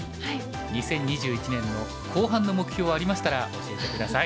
２０２１年の後半の目標ありましたら教えて下さい。